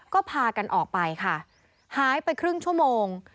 ก็พากันออกไปค่ะหายไปครึ่งชั่วโมง